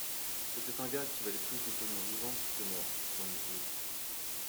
C’était un gars qui valait plus de pognon vivant que mort, pour une épouse